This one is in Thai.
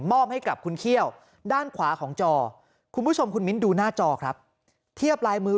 ให้กับคุณเขี้ยวด้านขวาของจอคุณผู้ชมคุณมิ้นดูหน้าจอครับเทียบลายมือ